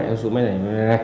cho xuống máy này